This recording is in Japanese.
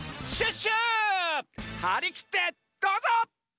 はりきってどうぞ！